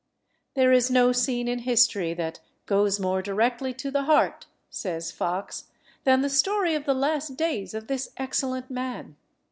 There is no scene in history that "goes more directly to the heart," says Fox, "than the story of the last days of this excellent man."